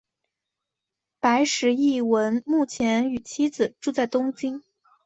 白石一文目前与妻子住在东京。